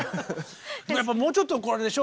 でももうちょっとあれでしょ？